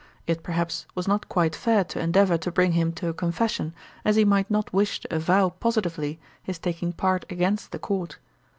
It, perhaps, was not quite fair to endeavour to bring him to a confession, as he might not wish to avow positively his taking part against the Court.